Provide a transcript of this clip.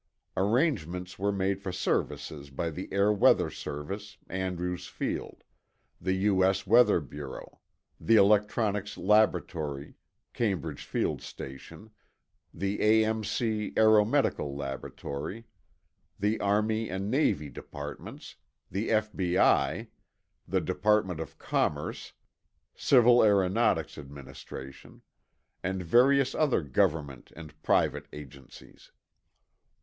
Arrangements were made for services by the Air Weather Service, Andrews Field; the U. S. Weather Bureau; the Electronics Laboratory, Cambridge Field Station; the A.M.C. Aero Medical Laboratory; the Army and Navy Departments; the F.B.I.; the Department of Commerce, Civil Aeronautics Administration; and various other government and private agencies.